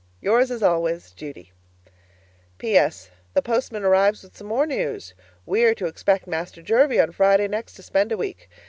Yours as always, Judy PS. The postman arrives with some more news. We are to expect Master Jervie on Friday next to spend a week.